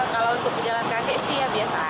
kalau untuk pejalan kaki sih ya biasa aja